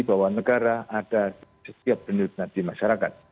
bahwa negara ada setiap benedikasi masyarakat